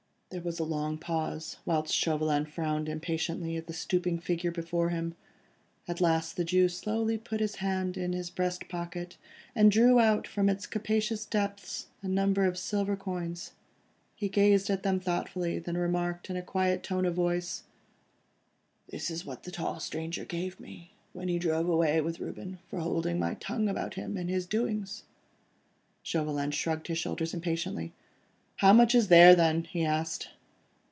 There was a long pause, whilst Chauvelin frowned impatiently at the stooping figure before him: at last the Jew slowly put his hand in his breast pocket, and drew out from its capacious depths a number of silver coins. He gazed at them thoughtfully, then remarked, in a quiet tone of voice,— "This is what the tall stranger gave me, when he drove away with Reuben, for holding my tongue about him, and his doings." Chauvelin shrugged his shoulders impatiently. "How much is there there?" he asked.